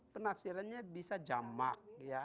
penafsirannya bisa jamak